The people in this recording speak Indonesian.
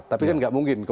tapi kan tidak mungkin